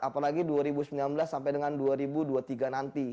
apalagi dua ribu sembilan belas sampai dengan dua ribu dua puluh tiga nanti